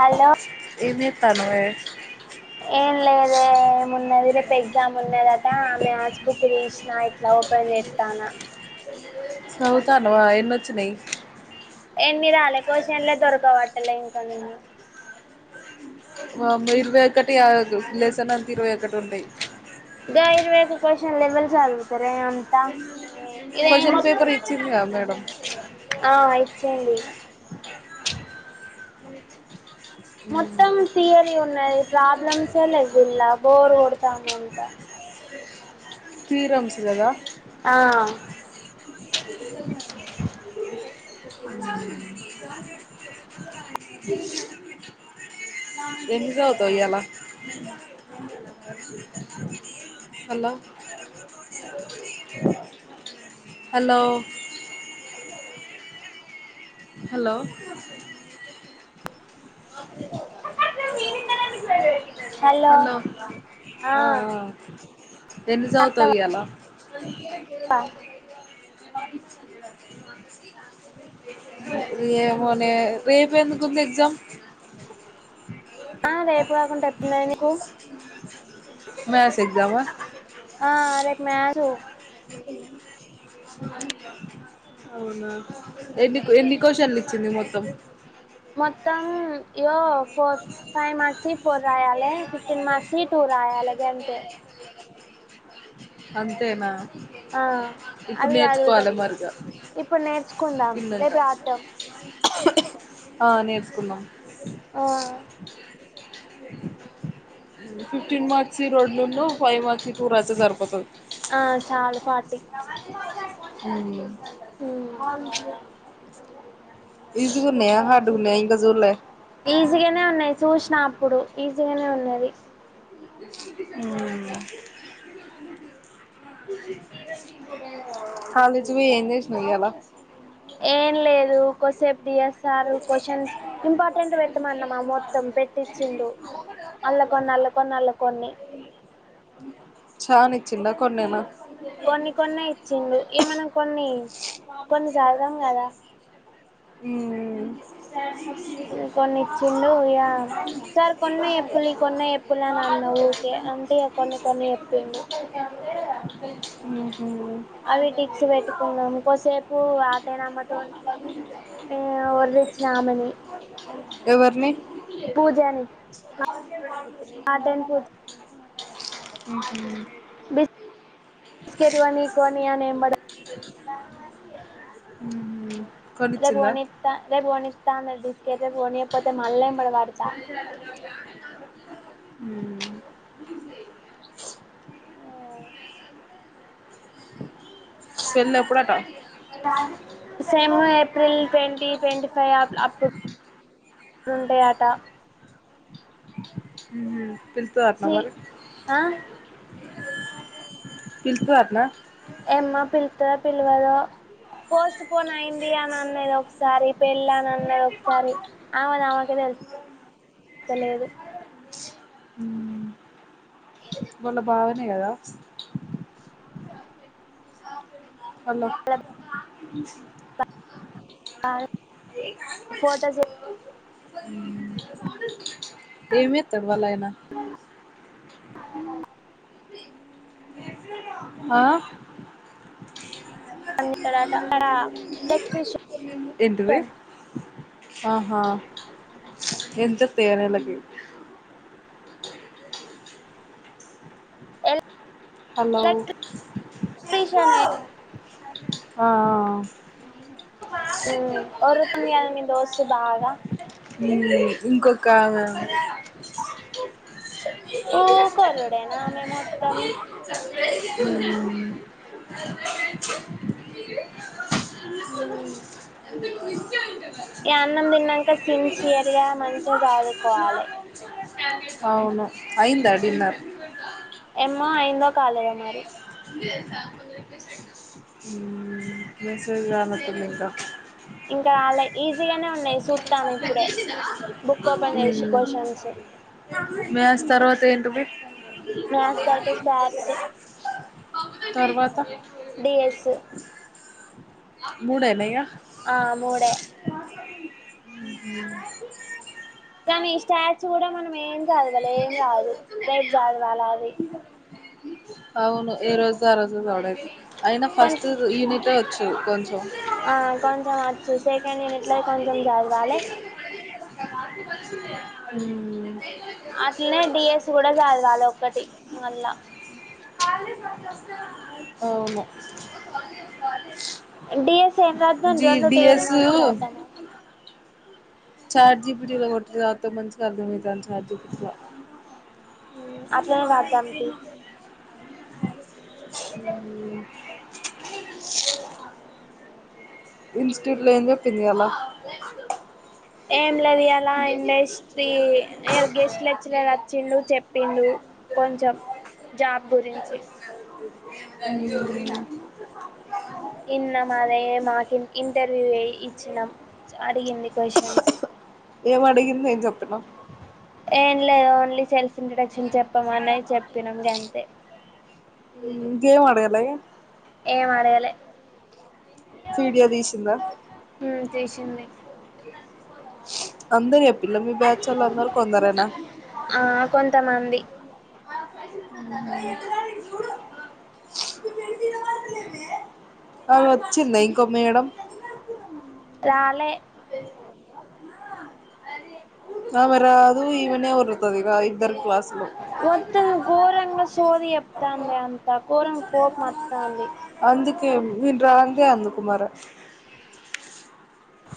Hello ఏంజేత్తానవే ఏం లేదే ఏమున్నది రేపు ఎగ్జామ్ ఉన్నదట ఆ మ్యాస్ బుక్ తీసిన ఇట్లా లోపల్ పెట్తాన సౌ తనవా ఎన్నొచ్చినయ్ ఎన్ని రాలే కొస్నెలే దొరకవట్ట్తలే ఇంకా నేను వామ్మో ఇరవై ఒకటి ఆగగు లెసనంత ఇరవై ఒకటుంటయి దే ఇరవైదు క్వషన్లే విల్సాగుతరే అంతా క్వశ్చన్ పేపర్ ఇచ్చిందిగా మేడం ఆ ఇచ్చంది మొత్తం థియరీ ఉన్నది ప్రాబ్లమ్సే లేదు ఇల్లా బోర్ గొడు తాందంట థీరమ్స్ గదా ఆ [inaudible] ఎన్ని సవుతియలా హలో హలో [inaudible] హలో ఆ ఆ ఎన్ని సవుతవ్ అత్తవా ఇయాలా [inaudible] ఏమోనే రేపెందుకుంది ఎక్జామ్ ఆ రేపు కాకుంట ఎప్పుందాయ్ నికు మ్యాస్ ఎగ్జామా ఆ రేప్ మ్యాసు అవునా ఎన్ని ఎన్నికోశాల్ని ఇచ్చింది. మొత్తం మొత్తం ఇగో ఫోర్ ఫైవ్ మార్సిట్ ఫోర్ రాయాలే ఫిఫ్టీన్ మార్క్స్వి టూ రాయాలే గంతే అంతేనా ఆ ఇప్పుడు అవి చదువుదాం నేర్చుకోవాలి మరిగా ఇప్పుడు నేర్చుకుందాం తిన్నంక రేపు రాద్దాం. ఆ నేర్చుకుందాం. ఆ ఫిఫ్టీన్ మార్క్స్వి రెండు ఉన్ను ఫైవ్ మార్క్స్వి టూ రాస్తే సరిపోతది. ఆ సాలు ఫార్టీ మ్మ్ మ్ ఈజీగున్నయా హార్డ్ గున్నయా ఇంక చూడలే ఈజీగానే ఉన్నాయి చూసిన అప్పుడు ఈజీగానే ఉన్నది. ఉమ్ కాలేజీ ఓయి ఏం చేసినావ్ ఇయాళ కోసేప్ డి ఎస్ పెట్టమన్నామా మొత్తం అల్లకొన్ని అల్లకొన్ని చానా ఇచ్చిండా కొన్నేనా కొన్ని కొన్నే ఇచ్చిండు ఇగ మనం కొన్ని కొన్ని చదవం కదా ఉమ్ కొన్ని ఇచ్చిండు ఇగా సార్ కొన్నే చెప్పుల్లి కొన్నే చెప్పుల్లి అని అన్నా వుకే అంటే ఇగ కొన్ని కొన్ని ఎప్పిండు ఉమ్ అవి టిక్స్ పెట్టుకున్నాము. కోసేపు వార్డెనామె తోనీ ఇగ ఒర్రిచ్చిన ఆమేని ఎవరిని పూజని ఆటేన్ పూజ ఉహుం బిస్కెట్ కొని కొని అని ఎంబడ రేపు కొనిచ్చిందా కొనిత్త రేపు కొనిస్తా ఇగ రేపు కొనియకపోతే మల్ల ఎంబడి పడతా మ్ పెళ్లి ఎప్పుడట same April twenty twenty five అ అప్పు ఉంటాయి అట పిల్తదటనా చి మరి ఆ పిల్తదట్నా ఏమో పిలుతదో పిలువదో పోస్ట్ పోన్ అయింది. అని అన్నది ఒకసారి పెళ్ళాని అన్నది ఒకసారి ఆమెది ఆమెకే తెలు తేలుత్తలేదు. మ్ వాళ్ళ బావనే గదా హలో ఫోటో మ్ ఏం ఎత్తడు వాళ్ళ ఆయన ఆ పని జెత్తాడట అక్కడ ఎలక్ట్రీషియాన్ ఏంటిది ఆహా! ఎంత వోత్తయో నెలకి ఎల్ హలో ఆఆ హ్మ్ ఒర్రుతుంది కదా నీ దోస్తు బాగా హ్మ్ ఇంకొక ఉకొర్రూడేనా ఆమె మొత్తం హ్మ్ ఉమ్. [inaudible] ఈ అన్నం తిన్నాక సిన్సియర్ గా మంచిగా చదుకోవాలి అవును అయిందా డిన్నర్ ఏమ్మో అయిందో కాలేదో మరి హ్మ్ [inaudible] ఇగ ఇంకా రాలే ఈజీగానే ఉన్నాయి చూస్తాన ఇప్పుడే బుక్ ఓపెన్ చేసి క్వశ్చన్స్ మ్యాస్ తర్వాత ఏంటిది మ్యాథ్స్ తర్వాత స్టాట్స్ తర్వాత డీఎస్ ముడేనా ఇగా ఆ మూడే హ్మ్ కానీ స్టాట్స్ కూడా మనం ఏం చదవాలి ఏం రాదు రేపు చదవాలదు [inaudible] అవును ఏ రోజుది ఆ రోజే చద్ అయినా కొం ఫస్ట్ యూనిట్లే వచ్చు కొంచెం క నేను ఇట్లా కొంచెం చదవాలి [inaudible] అట్లనే డిఎస్ కూడా చదవాలి ఒక్కటి మళ్ళా అవును డిఎస్ ఏం రాద్దాం జీ రెండు ట్వెల్వ్ డిఎస్ మార్క్స్ రాద్దామా చాట్ జీపిటీలో కొట్టి చదువ్తె మంచిగా అర్ధమైతది అని చాట్ జిపిటిల అట్లానే రాద్దాం తియ్ హ్మ్ ఇన్స్టిట్యూట్ లో ఎం చెప్పింది ఇయల ఏం లేదు ఎయలా ఇండస్ట్రీ ఇయల గెస్ట్ లేచ్చరర్ వచ్చిండు చెప్పిండు కోంచెం [inaudible] నిన్నా మాదె మాకు ఇంటర్వ్యూ ఇచ్చినాం అడిగింది క్వశ్చన్స్ ఏం అడిగింది ఎం చెప్పినవ్ ఏం లేదు ఓన్లీ సెల్ఫ్ ఇంట్రొడక్షన్ చెప్పమన్నది చెప్పినాం గంతే ఇంకేంఅడగలే ఏం ఆడగాలే వీడియో తీసిందా హ్మ్ చేసింది అందరు చెప్ప్ ఆ కొంతమంది [inaudible] ఆ వచ్చింద ఇంకొ మేడం రాలే ఆమె రాదు ఈమనె ఒర్రుతది ఇగ ఇద్దరు క్లాస్ మొత్తం ఘోరంగా సోది చెప్తంది అంత ఘోరం కోపం వత్తంది అందుకే నెన్ రానిదె అందుకు మరే ఆ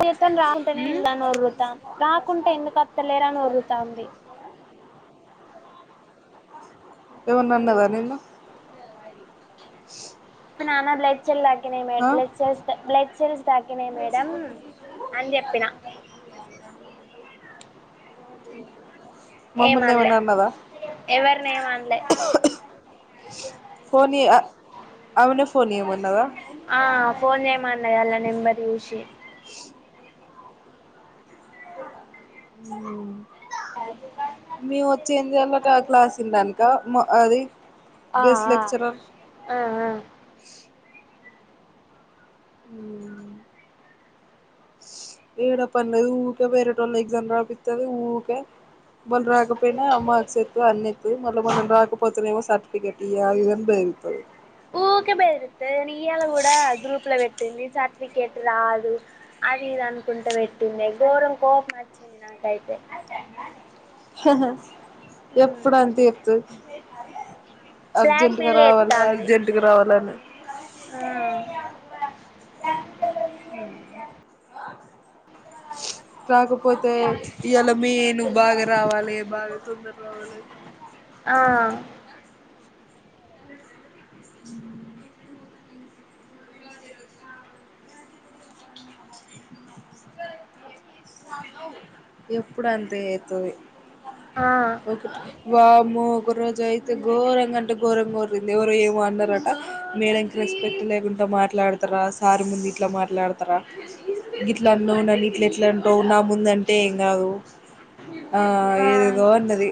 జీతం రావంటనే [unintelligible] ఒరు్రతాం రాకుంటే ఎందుకు అత్తలేరని ఒర్రుతాంది ఎవన్న అన్నదా నిన్ను స్ నానా బ్లడ్ చెెల్ దాగ్గినాయి మే బ్లెడ్ సెల్స్ బ్లడ్ సెల్స్ తగ్గినాయి మేడమ్ అన్ చెప్పిన మమ్ముూల్నె ఎమన్నదా నే మన్లే పోనీ ఇగ ఆ ఫోన్ చేయమన్నది ఆల్ల నెంబర్ చూసి మేము వచ్చి ఏం జేయాలట ఆ క్లాసుల ద మ అది ఆ గెస్ట్ ఆ లెక్చరర్ ఆ ఆ ఉ ఏడ పన్నలేదు ఊకే వేరే టోల్ల ఎక్జామ్ రాపిత్తది ఊక వాల్ రాకపోయినా మాక్స్ ఎత్తది అన్ని ఎత్తది మళ్ళీ మనం రాకపోతెనేమో సర్టిఫికేట్ ఇయ్య ఇదనిది ఊకే బెదిరిత్తే ఇయాల కూడ గ్రూప్ల పెట్ట పెట్టింది సర్టిఫికేట్ రాదు అది ఇది అనుకుంటే పెట్టింది ఘోరం కోపం వచ్చింది నాకు అట్లయితే హహ ఎప్పుడంతె చెప్తు బ్లాక్ అర్జెంట్గా మెయిల్ రావాలి అర్జెంట్గా రావాలని ఆ [inaudible] రాకపోతే ఇయాల మీ నువ్వు బాగ రావాలె బాగ తొందర రావాలె [inaudible] ఆ హా ఎప్పుడంతే చెప్తది ఆ [unintelligible] వామ్మా ఒక రోజు అయితే ఘోరంగా అంటే ఘోరంగా [unintelligible] ఎవరో ఏమో అన్నారట మేడంంకి రెస్పెక్ట్ లేకుండ మాట్లాడతరా సార్ ముందు ఇట్ల మాట్లాడతారా ఇట్ల అన్నో నని ఇట్ల ఎట్ల అంటావు నా ముందు అంటే ఏం కాదు ఆ ఏ ఆ దేదో అన్నది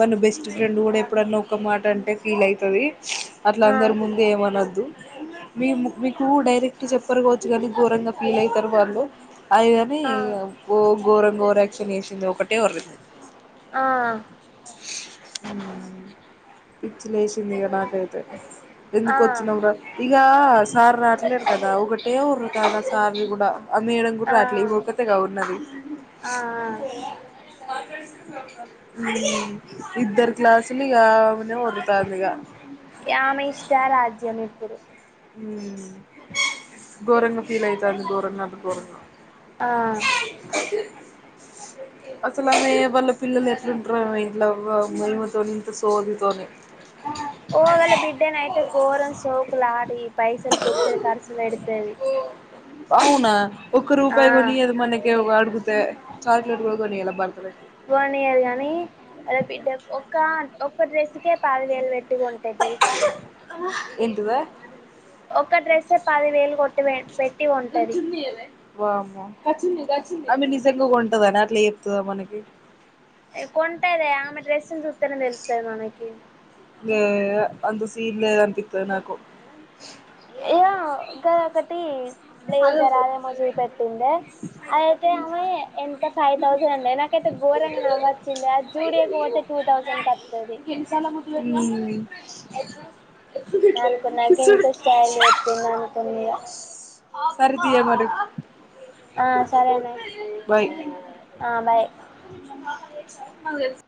మన బెస్ట్ చి ఫ్రెండ్ కూడ ఎప్పుడన్నా ఒక మాట అంటే ఫీల్ అయితది అట్ల ఆ అందరు ముందు ఏం అనద్దు మీ మీకు డైరెక్ట్ చెప్పరుకోవచ్చు కానీ ఘరంగ ఫీల్ అయితారు వాళ్ళు అది ఇదని ఆ ఘోర ఘోరాక్షన్ వేసింది ఒకటే వర్రు ఆ ఇ పిచ్చిలేసింది ఇక నాకైతే ఆ ఎందుక్ వచ్చినాంర ఇక సార్ రాట్లేదు కదా ఒకటే వర్రు కాద సార్ కూడా ఆ మేడం కూడా ఆ రాట్లే ఇకతేగా ఉన్నది ఆ ఇద్దర్ క్లాసులు ఇగ ఒకటె ఉండుతందిగా ఆమె ఇష్ట రాజ్యం ఇప్పుడు ఘోరంగా ఫీల్ అయితాంది ఘోరంగ అంటే ఘోరంగా ఆ అసలామె వాళ్ళ పిల్లలు ఎట్లుంటారేమో ఇంట్లో [unintelligible] ఇంత సోదితో ని హ యో వాళ్ళ బిడ్డనయితే ఘోరం సోకులాడి పైసలు బొచ్చడి ఖర్చులు పెడ్తది అవున ఒక్క రూపాయి గూడ ఇయ్యదు మనకి అడుగితే చాక్లెట్గని ఎలా బర్తవ పోన్యల్ గానీ అల్లా బిడ్డ ఒ ఒక్క డ్రెస్ అందుకే పాలలు వెట్టిగా ఉంటా తెలుసా ఎందువ ఒక్క డ్రెస్ పది వేలు కొట్టి పెట్టి కొంటది వామ్మో అమే నిజంగా కొంటాడ అని అట్లా చెప్తుందా మనకి కొంటాదే అమె డెస్సున్ సుత్తనే తెలుస్తుంది మనకి అంత సీన్ లేద అనిపిస్తుంది నాకు ఇకొటి బ్లేజర్ అదే మో సుపెట్టింద అదయితే అమ్మాయి ఎంత ఫైవ్ థౌసండ్ అండి నాకైతే ఘోరంగా నవ్వచ్చింది ఆ జూడియక పోతే టూ థౌజండ్ కత్తది ఉమ్ అనుకూన ఇంతె స్టైల్ చేస్తుంది అనుకూన [inaudible] ఆ సరేనే బాయ్ ఆ బాయ్ మద